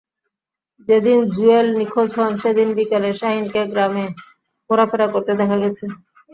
যেদিন জুয়েল নিখোঁজ হন, সেদিন বিকেলে শাহিনকে গ্রামে ঘোরাফেরা করতে দেখা গেছে।